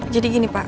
jadi gini pak